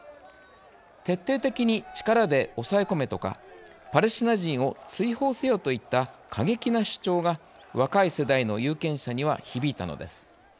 徹底的に力で抑え込めとかパレスチナ人を追放せよといった過激な主張が若い世代の有権者には響いたのです。